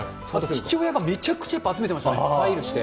父親がめちゃくちゃ集めてましたね、ファイルして。